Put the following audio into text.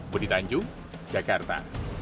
budi tanjung jakarta